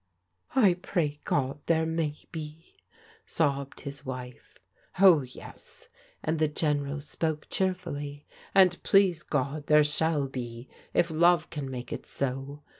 I pray God there may be," sobbed his wife. Oh, yes," and the General spoke cheerfully, "and please God there shall be if love can make it so.